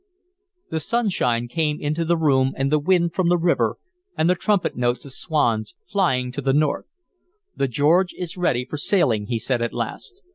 The sunshine came into the room, and the wind from the river, and the trumpet notes of swans flying to the north. "The George is ready for sailing," he said at last.